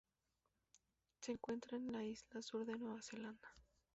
Se encuentra en la Isla Sur de Nueva Zelanda.